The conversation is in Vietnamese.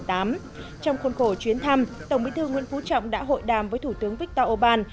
trong khuôn khổ chuyến thăm tổng bí thư nguyễn phú trọng đã hội đàm với thủ tướng viktor orbán